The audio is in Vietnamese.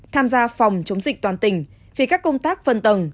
tham gia phòng chống dịch toàn tỉnh vì các công tác phân tầng